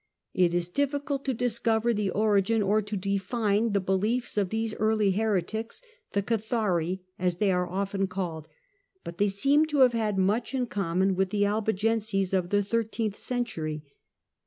It is difficult to discover the origin or to define the beliefs of these early heretics, the Cathari as they are often called, but they seem to have had much in common with the Albigenses of the thirteenth century.